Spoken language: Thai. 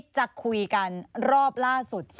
จะคุยกันรอบล่าสุด